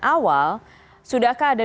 awal sudahkah ada